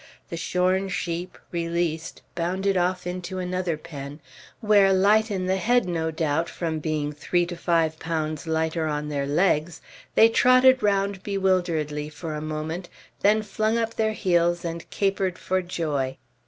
The shorn sheep, released, bounded off into another pen, where, light in the head no doubt from being three to five pounds lighter on their legs, they trotted round bewilderedly for a moment, then flung up their heels and capered for joy.